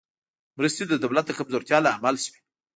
مرستې د دولت د کمزورتیا لامل شوې.